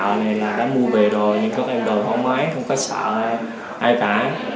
cái nợ này là đã mua về rồi nhưng các em đòi không ái không có sợ ai cả